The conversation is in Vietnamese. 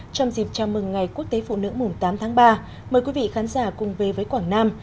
trong dịp chào mừng ngày quốc tế phụ nữ mùng tám tháng ba mời quý vị khán giả cùng về với quảng nam